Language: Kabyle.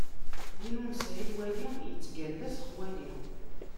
Win ur nesɛi lwali, ittgalla s xwali.